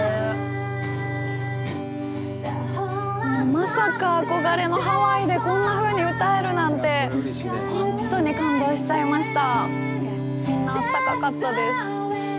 まさか憧れのハワイでこんなふうに歌えるなんて、本当に感動しちゃいました！